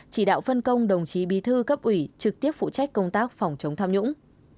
chỉ đạo phân công đồng chí bí thư cấp ủy trực tiếp phụ trách công tác phòng chống tham nhũng